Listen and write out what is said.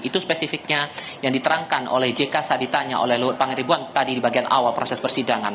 itu spesifiknya yang diterangkan oleh jk saat ditanya oleh luhut pangaribuan tadi di bagian awal proses persidangan